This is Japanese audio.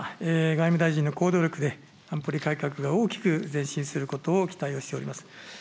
外務大臣の行動力で、安保理改革が大きく前進することを期待をしております。